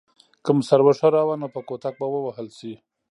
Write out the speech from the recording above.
که مو سر وښوراوه نو په کوتک به ووهل شئ.